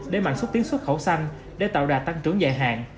để mạnh xuất tiến xuất khẩu xanh để tạo đà tăng trưởng dài hạn